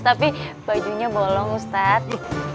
tapi bajunya bolong ustaz